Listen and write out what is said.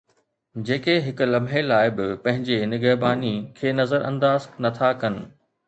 جيڪي هڪ لمحي لاءِ به پنهنجي نگهباني کي نظرانداز نٿا ڪن